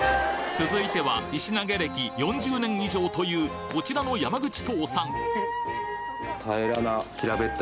続いては石投げ歴４０年以上というこちらの山口父さん